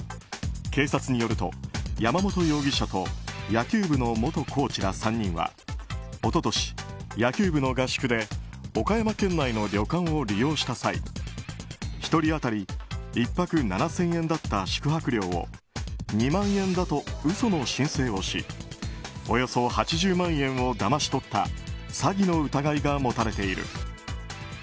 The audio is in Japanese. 警察によると山本容疑者と野球部の元コーチら３人は一昨年、野球部の合宿で岡山県内の旅館を利用した際１人当たり１泊７０００円だった宿泊料を２万円だと嘘の申請をしおよそ８０万円をだまし取った詐欺の疑いが持たれている。